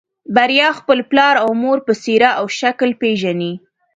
بريا خپل پلار او مور په څېره او شکل پېژني.